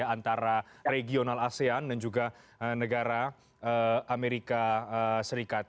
antara regional asean dan juga negara amerika serikat